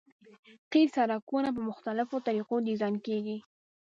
قیر سرکونه په مختلفو طریقو ډیزاین کیږي